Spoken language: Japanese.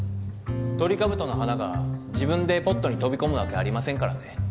トリカブトの花が自分でポットに飛び込むわけありませんからね。